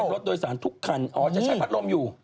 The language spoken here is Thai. รถโดยสารทุกคันอ๋อจะใช้พัดลมอยู่